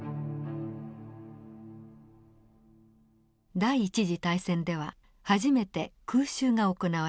第一次大戦では初めて空襲が行われました。